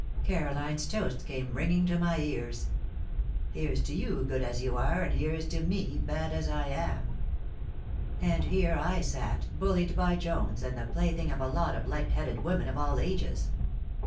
Caroline's toast came ringing to my ears. "Here's to you, good as you are, and here's to me, bad as I am!" And here I sat, bullied by Jones and the plaything of a lot of light headed women of all ages.